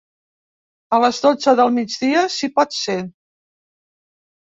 A les dotze del migdia si pot ser.